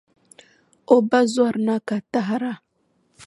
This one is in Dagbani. O ba zɔrina ka tahira.